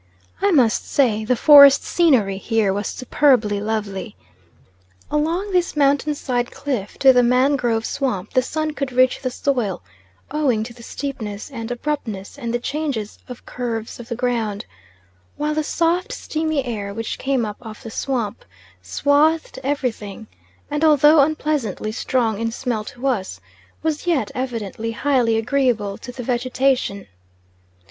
I must say the forest scenery here was superbly lovely. Along this mountain side cliff to the mangrove swamp the sun could reach the soil, owing to the steepness and abruptness and the changes of curves of the ground; while the soft steamy air which came up off the swamp swathed everything, and although unpleasantly strong in smell to us, was yet evidently highly agreeable to the vegetation.